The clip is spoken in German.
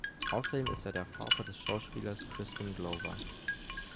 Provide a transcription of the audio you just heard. Außerdem ist er der Vater des Schauspielers Crispin Glover.